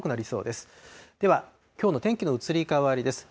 では、きょうの天気の移り変わりです。